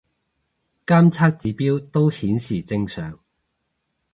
監測指標都顯示正常